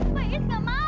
pak iis gak mau